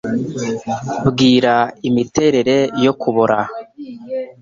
Bwira imiterere yo kubora;